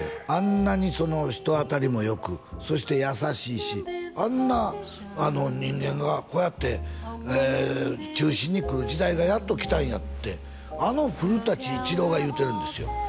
あんなにその人当たりもよくそして優しいしあんな人間がこうやって中心にくる時代がやっときたんやってあの古伊知郎が言うてるんですよ